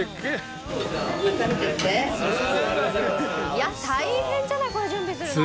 いや大変じゃないこれ準備するの！